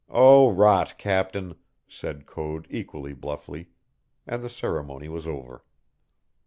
"Oh, rot, captain!" said Code equally bluffly, and the ceremony was over.